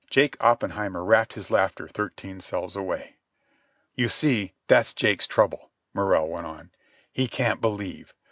Jake Oppenheimer rapped his laughter thirteen cells away. "You see, that's Jake's trouble," Morrell went on. "He can't believe.